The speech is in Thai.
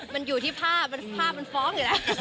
มันอยู่ที่ภาพฟอร์กเลย